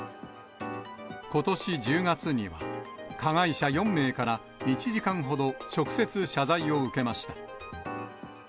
ことし１０月には、加害者４名から、１時間ほど、直接謝罪を受けました。